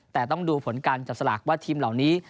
แต่ต้องดูผลการจับสลากว่าทีมเหล่านี้